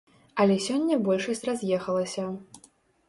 Але сёння большасць раз'ехалася.